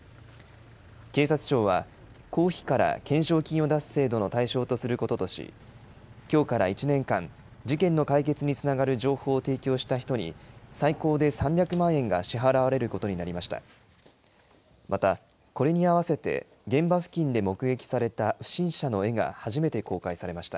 警察庁は、公費から懸賞金を出す制度の対象とすることとし、きょうから１年間、事件の解決につながる情報を提供した人に、最高で３００万円が支払われることになりました。